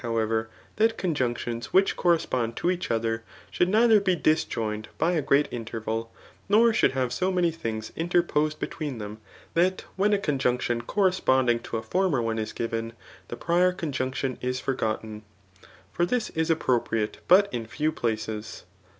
S19 ever, that conjunctions which correspond to each otKer, should neither be disjoined by a great interval, nor should have so many things interposed between them, that when' a conjunction corresponding to a former one is given, the prior conjunction is fbrgott^i ; for this is appropriate but in few places.